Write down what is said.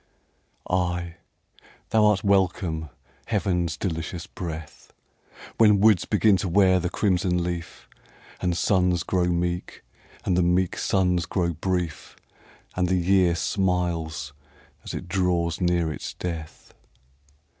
Ay, thou art welcome, heaven's delicious breath, When woods begin to wear the crimson leaf, And suns grow meek, and the meek suns grow brief, And the year smiles as it draws near its death.